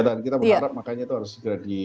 dan kita berharap makanya itu harus segera di